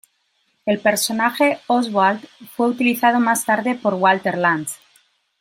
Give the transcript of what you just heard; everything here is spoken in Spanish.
El personaje Oswald fue utilizado más tarde por Walter Lantz.